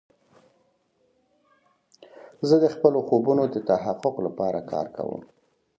زه د خپلو خوبونو د تحقق لپاره کار کوم.